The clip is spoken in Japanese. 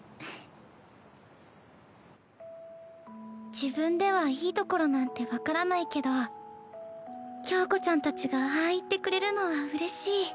自分ではいいところなんて分からないけど今日子ちゃんたちがああ言ってくれるのはうれしい。